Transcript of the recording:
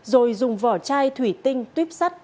rồi dùng vỏ chai thủy tinh tuyếp sắt